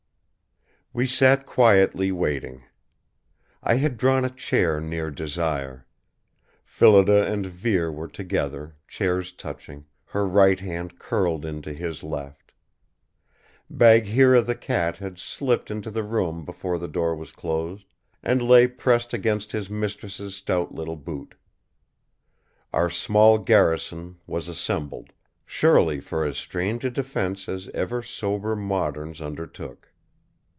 We sat quietly waiting. I had drawn a chair near Desire. Phillida and Vere were together, chairs touching, her right hand curled into his left. Bagheera the cat had slipped into the room before the door was closed, and lay pressed against his mistress's stout little boot. Our small garrison was assembled, surely for as strange a defense as ever sober moderns undertook.